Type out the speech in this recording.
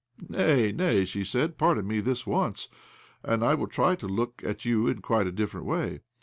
" Nay, nay," she said. " Pardon me this once, and I will try to look at you in quite a different way.